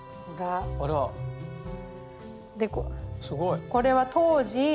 すごい！これは当時。